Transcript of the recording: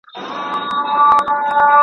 آس په پوره عزت سره د خپل کور په لور روان شو.